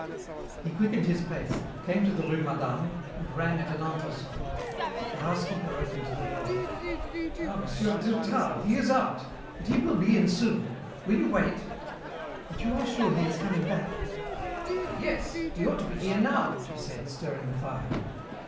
He quickened his pace, came to the rue Madame, and rang at an entresol. The housekeeper opened the door. "Ah, Monsieur Durtal, he is out, but he will be in soon. Will you wait?" "But you are sure he is coming back?" "Why, yes. He ought to be here now," she said, stirring the fire.